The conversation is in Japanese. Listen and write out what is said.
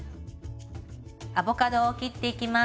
アボカドを切っていきます。